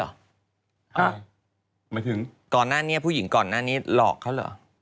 หมายถึงก่อนหน้านี้ผู้หญิงก่อนหน้านี้หลอกเขาเหรอ